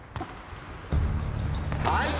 はい。